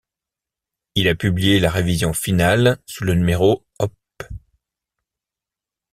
Il a publié la révision finale sous le numéro Op.